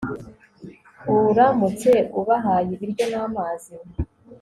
uramutse ubahaye ibiryo n'amazi